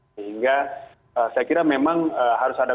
sehingga saya kira memang kepentingan itu juga harus dimiliki